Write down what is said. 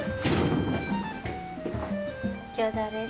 餃子です。